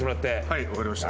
はい分かりました。